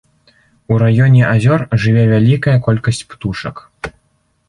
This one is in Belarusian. У раёне азёр жыве вялікая колькасць птушак.